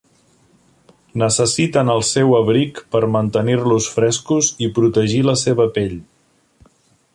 Necessiten el sue abric per mantenir-los frescos i protegir la seva pell.